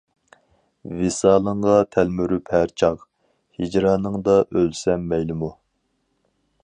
ۋىسالىڭغا تەلمۈرۈپ ھەر چاغ، ھىجرانىڭدا ئۆلسەم مەيلىمۇ.